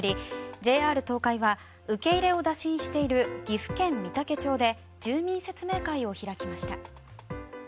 ＪＲ東海は受け入れを打診している岐阜県御嵩町で住民説明会を開きました。